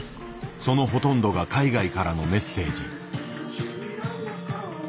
そのほとんどが海外からのメッセージ。